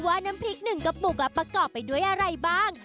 น้ำพริกหนึ่งกระปุกประกอบไปด้วยอะไรบ้าง